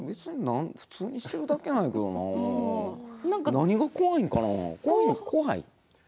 普通にしているだけなんだけどな何が怖いかな。